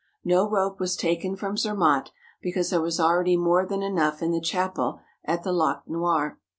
No rope was taken from Zermatt, because there was already more than enough in the chapel at the Lac Noir.